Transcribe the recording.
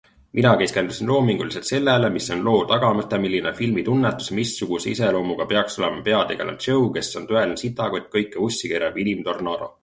Mina keskendusin loominguliselt sellele, mis on loo tagamõte, milline filmi tunnetus ja missuguse iseloomuga peaks olema peategelane Joe, kes on tõeline sitakott, kõike vussi keerav inim-tornaado.